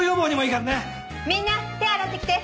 みんな手洗ってきて。